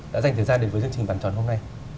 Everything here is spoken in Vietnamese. đã dành thời gian đến với chương trình bàn tròn hôm nay